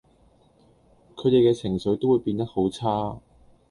佢哋嘅情緒都會變得好差